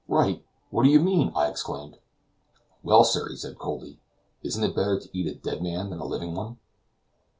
"Right! what do you mean?" I exclaimed. "Well, sir," he said coldly, "isn't it better to eat a dead man than a living one?"